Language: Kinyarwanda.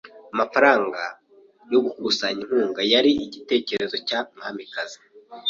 Amafaranga yo gukusanya inkunga yari igitekerezo cya mwamikazi.